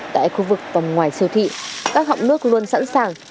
tại khu vực tầm ngoài siêu thị các họng nước luôn sẵn sàng